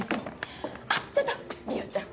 あっちょっと理央ちゃん。